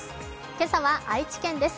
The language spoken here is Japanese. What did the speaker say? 今朝は愛知県です。